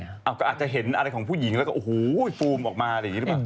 กลัวว่าผมจะต้องไปพูดให้ปากคำกับตำรวจยังไง